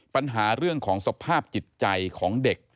ปัญหาเรื่องของสภาพจิตใจของเด็ก